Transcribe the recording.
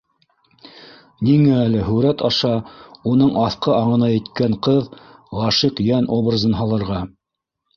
Ниңә әле һүрәт аша уның аҫҡы аңына еткән ҡыҙ, ғашиҡ йән образын һалырға?!